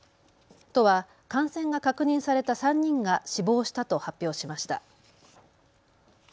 都は感染が確認された３人が死亡したと発表しました。